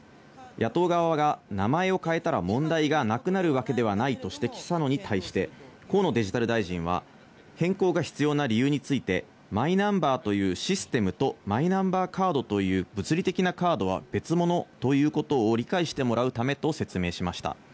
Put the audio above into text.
野党側が名前を変えたら問題がなくなるわけではないと指摘したのに対して、河野デジタル大臣は、変更が必要な理由について、マイナンバーというシステムと、マイナンバーカードという物理的なカードは別物ということを理解してもらうためと説明しました。